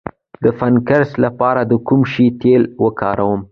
د فنګس لپاره د کوم شي تېل وکاروم؟